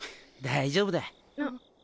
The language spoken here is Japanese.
大丈夫だ。